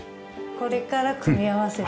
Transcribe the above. これから組み合わせて。